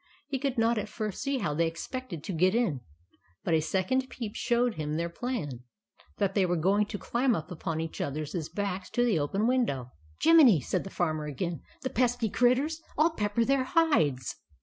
He could not at first see how they ex pected to get in ; but a second peep showed him their plan, — that they were going to climb up upon each other's backs to the open window. " Jiminy !" said the Farmer again. " The pesky critters ! I 11 pepper their hides."